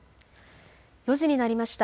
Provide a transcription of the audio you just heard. ４時になりました。